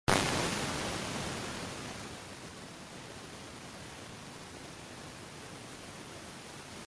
Computer components already greatly surpass human performance in speed.